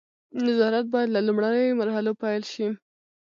نظارت باید له لومړیو مرحلو پیل شي.